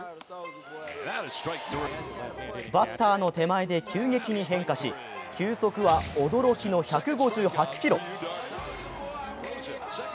バッターの手前で急激に変化し球速は驚きの１５８キロ。